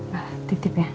nah titip ya